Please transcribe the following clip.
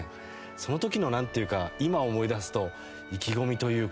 その時のなんていうか今思い出すと意気込みというか。